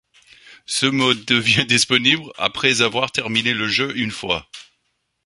Ce mode devient disponible après avoir terminé le jeu une fois.